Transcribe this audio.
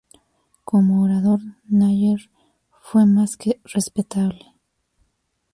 Como orador, Níger fue más que respetable.